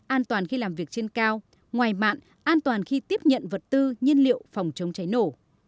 an toàn khi làm việc trên cao ngoài mạng an toàn khi tiếp nhận vật tư nhiên liệu phòng chống cháy nổ